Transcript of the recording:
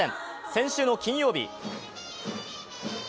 先週の金曜日。